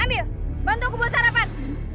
ambil bantu aku buat sarapan